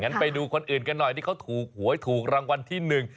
ไปดูคนอื่นกันหน่อยที่เขาถูกหวยถูกรางวัลที่หนึ่ง